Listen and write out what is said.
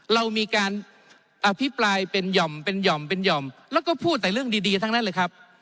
เรามีการอภิปรายเป็นใหญ่แล้วก็พูดแต่เรื่องดีทั้งนั้นเลยครับ